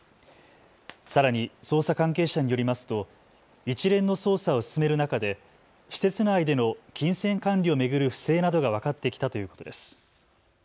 さらに捜査関係者によりますと一連の捜査を進める中で施設内での金銭管理を巡る不正などが分かってきたということです。